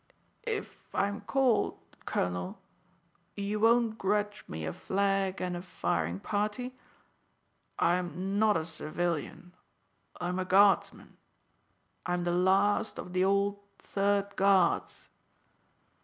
"If I'm called, colonel, you won't grudge me a flag and a firing party? I'm not a civilian; I'm a guardsman I'm the last of the old Third Guards."